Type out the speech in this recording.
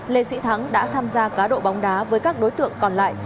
lê sĩ thắng đã tham gia cá độ bóng đá với các đối tượng còn lại